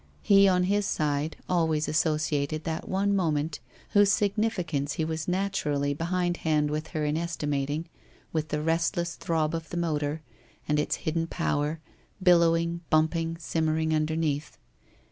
He, on his side, always associated that one moment, whose significance he was naturally behindhand with her in estimating, with the restless throb of the motor, and its hidden power, billowing, bumping, simmering underneath.